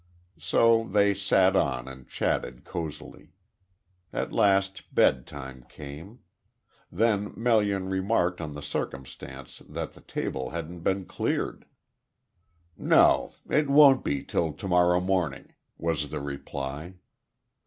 So they sat on and chatted cosily. At last, bedtime came. Then Melian remarked on the circumstance that the table hadn't been cleared. "No. It won't be, till to morrow morning," was the reply.